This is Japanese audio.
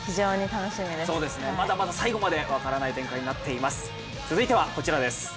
まだまだ最後まで分からない展開になっています。